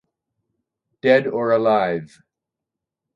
Dead or alive.